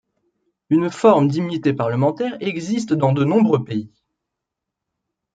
Une forme d'immunité parlementaire existe dans de nombreux pays.